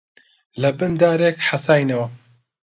لەبن دارێک حەساینەوە